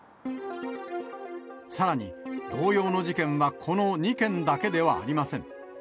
さらに、同様の事件はこの２件だけではありません。